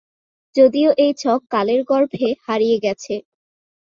যদিও এই ছক কালের গর্ভে হারিয়ে গেছে।